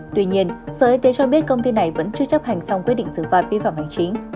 tuy nhiên sở y tế cho biết công ty này vẫn chưa chấp hành xong quyết định xử phạt vi phạm hành chính